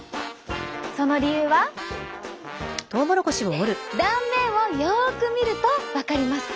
その理由は断面をよく見ると分かります。